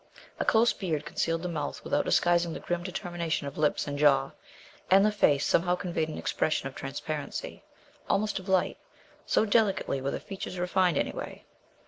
A close beard concealed the mouth without disguising the grim determination of lips and jaw, and the face somehow conveyed an impression of transparency, almost of light, so delicately were the features refined away.